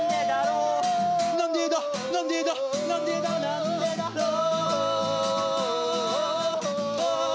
「なんでだなんでだなんでだなんでだろう」